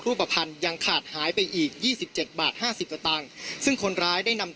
รูปภัณฑ์ยังขาดหายไปอีกยี่สิบเจ็ดบาทห้าสิบสตางค์ซึ่งคนร้ายได้นำ